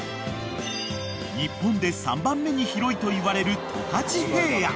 ［日本で３番目に広いといわれる］